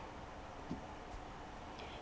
theo đó ghi nhận rằng